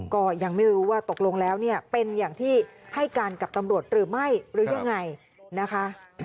ก็ยังไม่รู้ว่าตกลงแล้วเนี่ยเป็นอย่างที่ให้การกับตำรวจหรือไม่หรือยังไงนะคะ